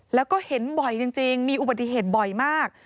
แล้วก็เห็นบ่อยจริงมีอุบัติเหตุบ่อยมาก